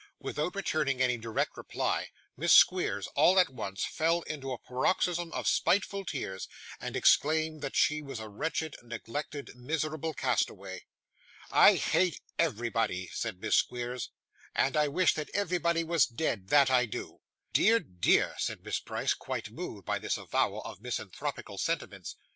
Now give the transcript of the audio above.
Without returning any direct reply, Miss Squeers, all at once, fell into a paroxysm of spiteful tears, and exclaimed that she was a wretched, neglected, miserable castaway. 'I hate everybody,' said Miss Squeers, 'and I wish that everybody was dead that I do.' 'Dear, dear,' said Miss Price, quite moved by this avowal of misanthropical sentiments.